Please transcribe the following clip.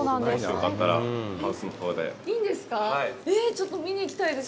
ちょっと見に行きたいです。